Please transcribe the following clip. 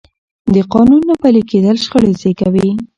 د قانون نه پلي کېدل شخړې زېږوي